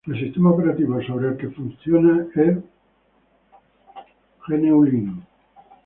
El sistema operativo sobre el que funcionan es Windows Mobile de Microsoft.